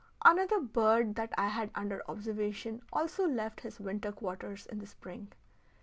Another bird that I had under observation also left his winter quarters in the spring.